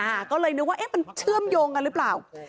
อ่าก็เลยนึกว่าเอ๊ะมันเชื่อมโยงกันหรือเปล่า